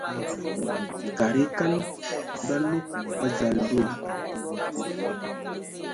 Kada ekan ba log adzal deo.